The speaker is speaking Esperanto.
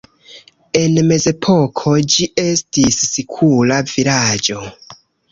En mezepoko ĝi estis sikula vilaĝo.